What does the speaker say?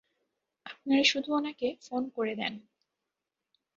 আপনারা শুধু উনাকে ফোন করে দেন।